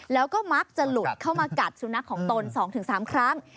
แล้วก็มักจะหลุดเข้ามากัดสุนัขของตน๒๓ครั้ง